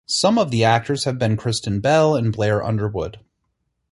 Some of the actors have been Kristen Bell and Blair Underwood.